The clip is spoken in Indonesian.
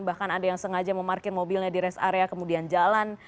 bahkan ada yang sengaja memarkir mobilnya di rest area kemudian jalan